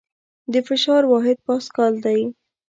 د فشار واحد پاسکال دی.